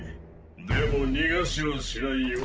でも逃がしはしないよ。